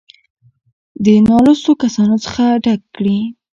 دې نـالـوسـتو کسـانـو څـخـه ډک کـړي.